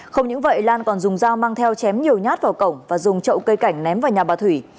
không những vậy lan còn dùng dao mang theo chém nhiều nhát vào cổng và dùng trậu cây cảnh ném vào nhà bà thủy